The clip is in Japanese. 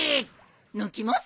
抜きます！